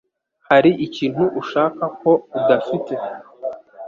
Hari ikintu ushaka ko udafite